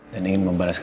dan ingin membalaskan